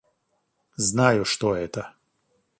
Знаю что это.